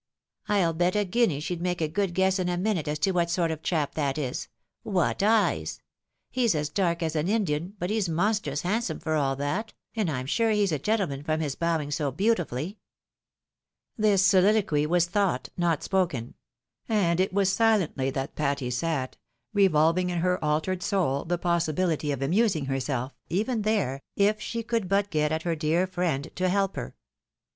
" I'll bet a guinea she'd make a good guess in a minute as to what sort of chap that is — what eyes! He's as dark as an Indian, but he's monstrous handsome for all that, and I'm sure he's a gentleman from his bowing so beautifully." This soliloquy was thought, not spoken ; and it was silently that Patty sat Kevolviug in her altered soul the possibility of amusing herself, even there, if she could but PATTY BECOMES SERIOUS. 211 get at her dear friend to help her.